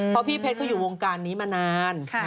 เพราะพี่เพชรเขาอยู่วงการนี้มานาน